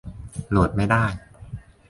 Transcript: โหลดไม่ได้